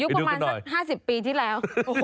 ประมาณสัก๕๐ปีที่แล้ว